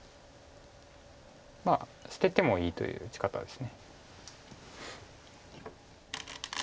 まあ捨ててもいいという打ち方です。